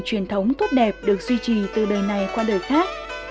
truyền thống tốt đẹp được duy trì từ đời này qua đời khác